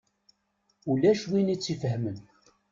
Ulac win i tt-ifehmen.